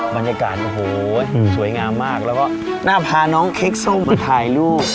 บรรยากาศโอ้โหสวยงามมากแล้วก็น่าพาน้องเค้กโซ่มาถ่ายรูป